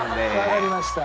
わかりました。